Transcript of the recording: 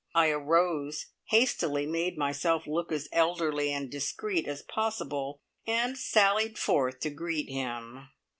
I arose, hastily made myself look as elderly and discreet as possible, and sallied forth to greet him.